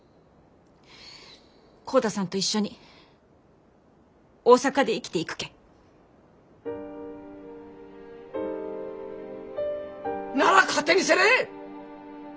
浩太さんと一緒に大阪で生きていくけん。なら勝手にせんね！